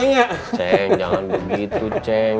ceng jangan begitu ceng